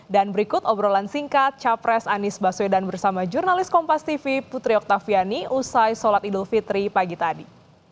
dan berikut obrolan singkat capres anis baswedan bersama jurnalis kompas tv putri oktaviani usai solat idul fitri pagi tadi